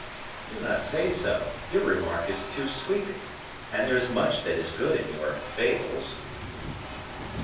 "Do not say so; your remark is too sweeping, and there is much that is good in your 'Fables.